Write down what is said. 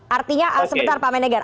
artinya sebentar pak menegar